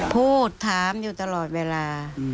พูดถามอยู่ตลอดเวลา